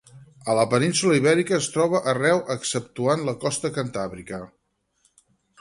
A la península Ibèrica es troba arreu exceptuant la costa cantàbrica.